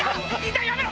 痛いやめろ！